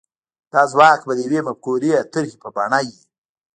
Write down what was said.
دا ځواک به د يوې مفکورې يا طرحې په بڼه وي.